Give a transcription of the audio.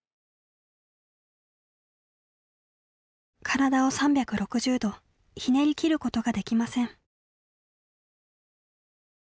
体を３６０度ひねりきることができません。